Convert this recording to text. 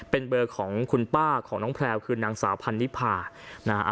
๐๖๒๒๖๑๒๖๖๓เป็นเบอร์ของคุณป้าของน้องแพรวคือนางสาวพันนิพพา